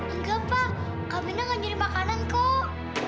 enggak pak kak bina gak cari makanan kok